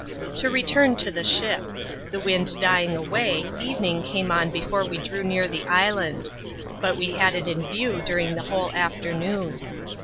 To return to the ship. The wind dying away, evening came on before we drew near the island. But we had it in view during the whole afternoon.